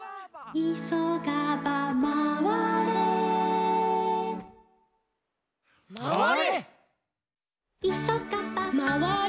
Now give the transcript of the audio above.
「いそがば」「まわれ？」